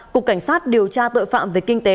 cục cảnh sát điều tra tội phạm về kinh tế